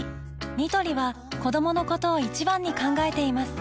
ニトリは子どものことを一番に考えています